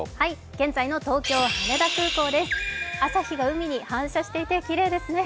現在の東京、朝日が海に反射していてきれいですね。